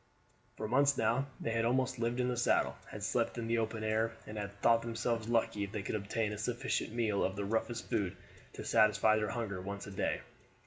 For months now they had almost lived in the saddle, had slept in the open air, and had thought themselves lucky if they could obtain a sufficient meal of the roughest food to satisfy their hunger once a day.